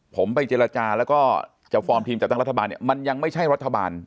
ผมไปเจรจาแล้วก็จะฟอร์มทีมจัดตั้งรัฐบาลเนี่ยมันยังไม่ใช่รัฐบาล